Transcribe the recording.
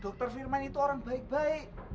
dokter firman itu orang baik baik